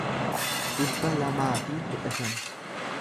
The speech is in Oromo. dhibba lamaa fi kudha shan